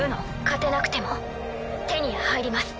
勝てなくても手に入ります。